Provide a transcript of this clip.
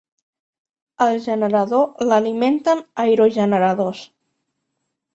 El generador l'alimenten aerogeneradors.